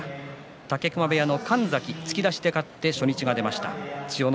武隈部屋の神崎突き出しで勝って初日が出ました。